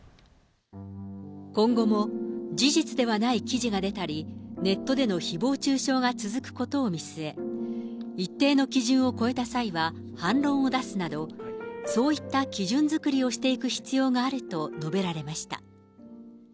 今後も事実ではない記事が出たり、ネットでのひぼう中傷が続くことを見据え、一定の基準を超えた際は反論を出すなど、そういった基準作りをしていく必要があると述べられました。